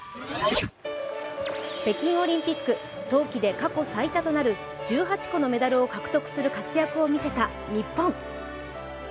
北京オリンピック、冬季で過去最多となる１８個のメダルを獲得する活躍を見せた日本。